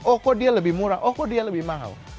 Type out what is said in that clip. oh kok dia lebih murah oh kok dia lebih mahal